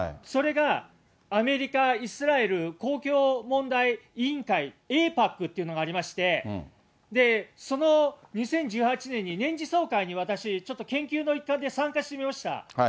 それがアメリカ・イスラエルこうきょう問題委員会・エイパックっていうのがありまして、その２０１８年に、年次総会に私、ちょっと研究の一環で参加してみました。